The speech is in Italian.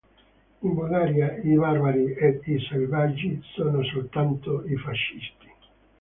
In Bulgaria i barbari ed i selvaggi sono soltanto i fascisti.